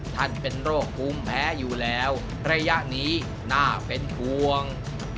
ท่านเป็นโรคภูมิแพ้อยู่แล้วระยะนี้น่าเป็นห่วง